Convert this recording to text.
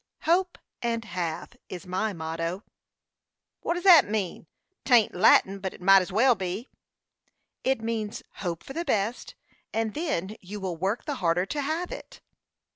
"'Hope and have,' is my motto." "What does that mean? 'Tain't Latin, but it might as well be." "It means hope for the best, and then you will work the harder to have it."